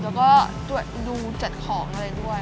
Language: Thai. แล้วก็ดูจัดของอะไรด้วย